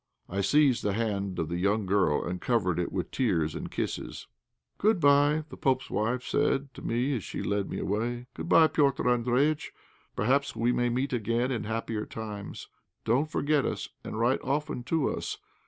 I seized the hand of the young girl and covered it with tears and kisses. "Good bye," the pope's wife said to me, as she led me away. "Good bye, Petr' Andréjïtch; perhaps we may meet again in happier times. Don't forget us, and write often to us.